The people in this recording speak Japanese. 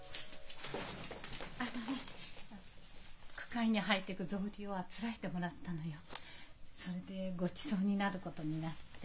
あのね句会に履いていく草履をあつらえてもらったのよ。それでごちそうになることになって。